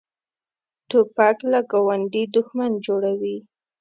توپک له ګاونډي دښمن جوړوي.